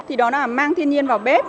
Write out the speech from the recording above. thì đó là mang thiên nhiên vào bếp